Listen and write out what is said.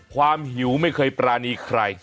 หิวไม่เคยปรานีใคร